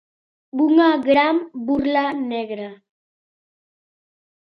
"Unha Gran Burla Negra".